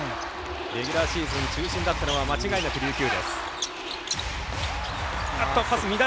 レギュラーシーズン中心だったのは間違いなく琉球。